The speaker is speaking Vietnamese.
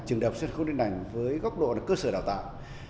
trường đọc sân khấu đơn đành với góc độ cơ sở đào tạo